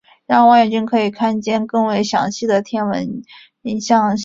让望远镜可以看见更为详细的天文图像信息。